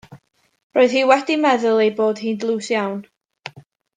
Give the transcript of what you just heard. Roedd hi wedi meddwl ei bod hi'n dlws iawn.